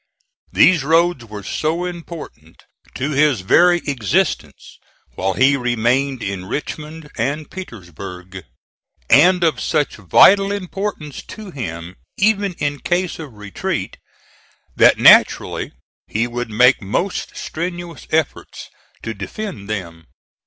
These roads were so important to his very existence while he remained in Richmond and Petersburg, and of such vital importance to him even in case of retreat, that naturally he would make most strenuous efforts to defend them.